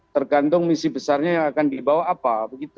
tergantung misi besarnya yang akan dibawa apa